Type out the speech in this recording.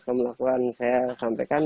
saya melakukan saya sampaikan